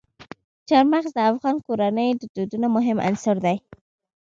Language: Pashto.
چار مغز د افغان کورنیو د دودونو مهم عنصر دی.